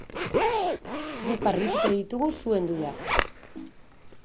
Guk argituko ditugu zuen dudak.